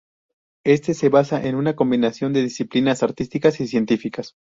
Éste se basaba en una combinación de disciplinas artísticas y científicas.